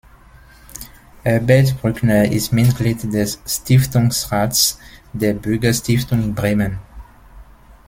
Herbert Brückner ist Mitglied des Stiftungsrats der Bürgerstiftung Bremen.